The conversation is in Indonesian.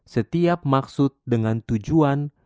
setiap maksud dengan tujuan